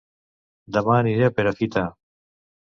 Dema aniré a Perafita